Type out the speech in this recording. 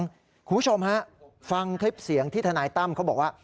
คุณผู้ชมฮะฟังคลิปเสียงที่ทนายตั้มเขาบอกว่า